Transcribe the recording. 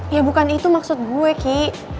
ya bukan itu maksud gue ki